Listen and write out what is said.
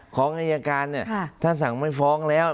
ของอายการเนี่ยถ้าสั่งไม่ฟ้องแล้ว